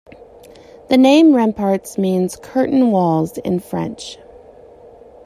The name "Remparts" means curtain walls in French.